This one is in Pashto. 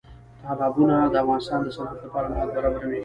تالابونه د افغانستان د صنعت لپاره مواد برابروي.